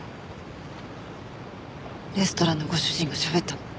レストランのご主人がしゃべったの？